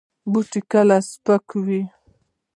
بوټونه کله سپک وي.